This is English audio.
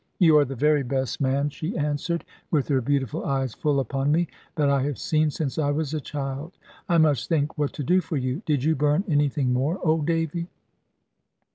"You are the very best man," she answered, with her beautiful eyes full upon me, "that I have seen, since I was a child. I must think what to do for you. Did you burn anything more, old Davy?"